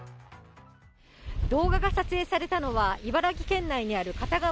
動画が撮影されたのは、茨城県内にある片側